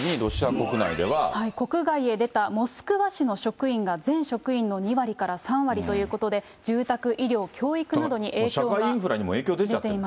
国外へ出たモスクワ市の職員が全職員の２割から３割ということで、住宅、医療、社会インフラにも影響が出ちゃってる。